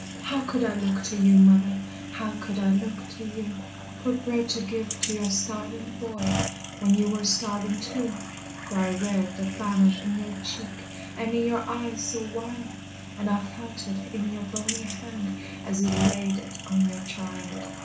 How could I look to you, mother, How could I look to you For bread to give to your starving boy, When you were starving too? For I read the famine in your cheek, And in your eyes so wild, And I felt it in your bony hand, As you laid it on your child.